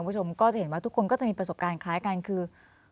คุณผู้ชมก็จะเห็นว่าทุกคนก็จะมีประสบการณ์คล้ายกันคือ